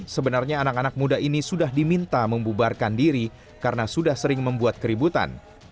sebenarnya anak anak muda ini sudah diminta membubarkan diri karena sudah sering membuat keributan